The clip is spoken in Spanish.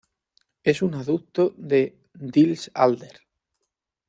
Es un aducto de Diels-Alder.